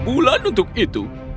sebulan untuk itu